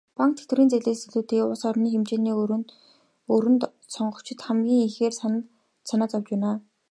Банк, тэтгэврийн зээлээс илүүтэй улс орны хэмжээний өрөнд сонгогчид хамгийн ихээр санаа зовж байна.